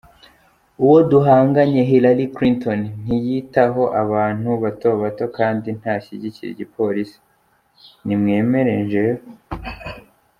Uwo duhanganye Hillary Clinton ntiyitaho abantu batobato kandi ntashigikira igipolisi, nimwemere jewe.